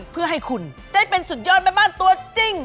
เพื่อให้คุณได้เป็นสุดยอดแม่บ้านตัวจริง